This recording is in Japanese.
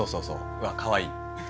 うわかわいい。